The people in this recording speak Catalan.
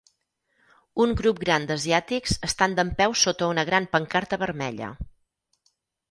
Un grup gran d'asiàtics estan dempeus sota una gran pancarta vermella.